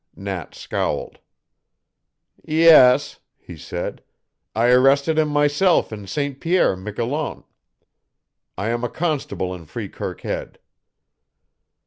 Nat scowled. "Yes," he said. "I arrested him myself in St. Pierre, Miquelon. I am a constable in Freekirk Head."